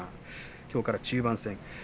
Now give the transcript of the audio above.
きょうから中盤戦。